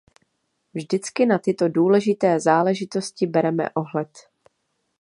Vždycky na tyto důležité záležitosti bereme ohled.